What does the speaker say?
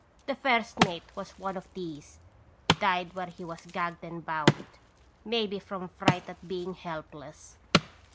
The first mate was one of these, died where he was gagged and bound, maybe from fright at being help less.